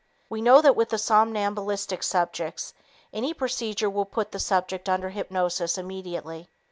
We know that with somnambulistic subjects any procedure will put the subject under hypnosis immediately.